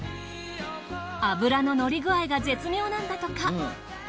脂ののり具合が絶妙なんだとか。